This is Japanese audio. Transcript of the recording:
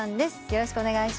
よろしくお願いします。